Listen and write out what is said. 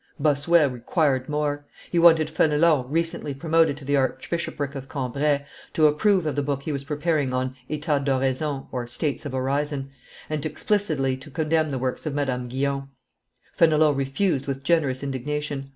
Bossuet required more; he wanted Fenelon, recently promoted to the Archbishopric of Cambrai, to approve of the book he was preparing on Etats d'Oraison (States of Orison), and explicitly to condemn the works of Madame Guyon. Fenelon refused with generous indignation.